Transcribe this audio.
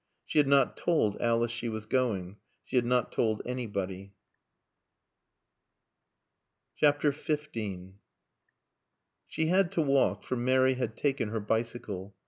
She had not told Alice she was going. She had not told anybody. XV She had to walk, for Mary had taken her bicycle.